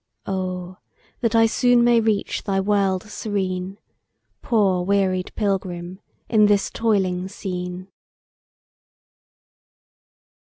Oh! that I soon may reach thy world serene, Poor wearied pilgrim in this toiling scene!